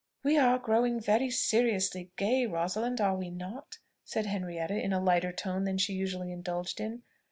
"We are growing very seriously gay, Rosalind, are we not?" said Henrietta in a lighter tone than she usually indulged in.